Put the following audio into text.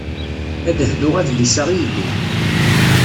Ad hduɣ adlis-a i yelli.